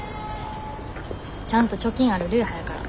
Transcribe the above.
ちゃんと貯金ある流派やから。